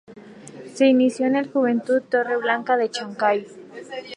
Se inició en el Juventud Torre Blanca de Chancay.